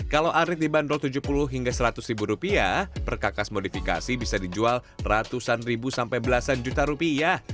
kalau arit dibanderol tujuh puluh hingga seratus ribu rupiah perkakas modifikasi bisa dijual ratusan ribu sampai belasan juta rupiah